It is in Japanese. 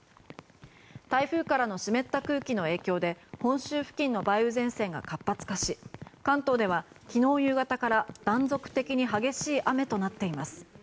台風からの湿った空気の影響で本州付近の梅雨前線が活発化し関東では昨日夕方から断続的に激しい雨となっています。